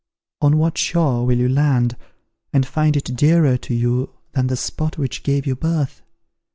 On what shore will you land, and find it dearer to you than the spot which gave you birth?